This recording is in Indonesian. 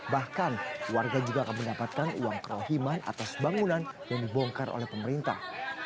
bahkan warga juga akan mendapatkan uang kerohiman atas bangunan yang dibongkar oleh pemerintah